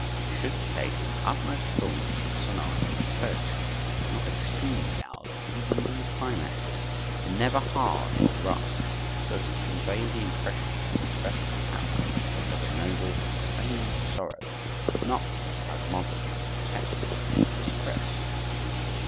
It should be played with the utmost fullness and sonority of tone, but not extremely loud even in the climaxes, and never hard or rough; so as to convey the impression of suppressed power and of a noble, sustained sorrow, not a spasmodic, petulant distress.